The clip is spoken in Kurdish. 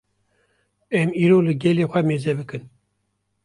Em îro li gelê xwe mêze bikin